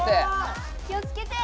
気をつけて！